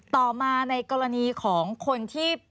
ต่อมาในกรณีของคนที่